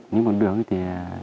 nếu mà được thì